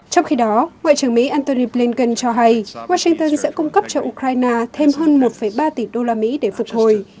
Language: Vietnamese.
trong khi đó ngoại trưởng mỹ antony blinken cho hay washington sẽ cung cấp cho ukraine thêm hơn một ba tỷ đô la mỹ để phục hồi